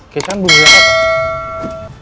keisha kan belum siap